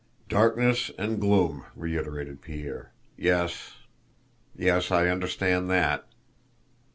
"Darkness and gloom," reiterated Pierre: "yes, yes, I understand that."